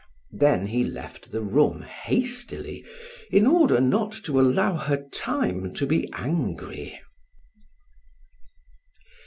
Then he left the room hastily in order not to allow her time to be angry.